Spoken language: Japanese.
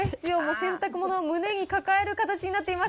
洗濯物を胸に抱える形になってます。